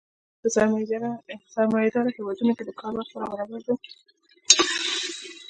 په سرمایه داري هېوادونو کې د کار وخت سره برابر دی